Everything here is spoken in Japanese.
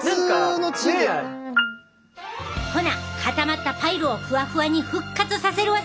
ほな固まったパイルをふわふわに復活させる技いくで！